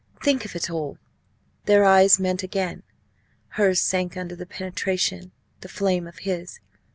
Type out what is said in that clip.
Think of it all!" Their eyes met again. Hers sank under the penetration, the flame of his.